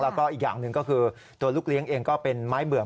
แล้วก็อีกอย่างหนึ่งก็คือตัวลูกเลี้ยงเองก็เป็นไม้เบื่อง